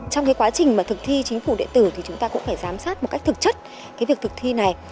trong quá trình thực thi chính phủ điện tử thì chúng ta cũng phải giám sát một cách thực chất việc thực thi này